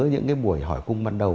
những cái buổi hỏi cung ban đầu